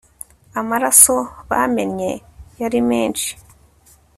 amaraso bamennye yari menshi